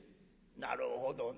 なるほどな。